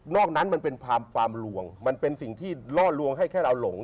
นั้นมันเป็นฟาร์มลวงมันเป็นสิ่งที่ล่อลวงให้แค่เราหลง